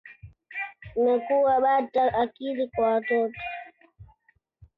Umekuwa bata akili kwa watoto?